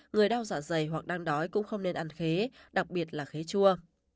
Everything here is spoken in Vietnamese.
người đau dạ dày hoặc đang đói cũng không nên ăn khế đặc biệt là khế chua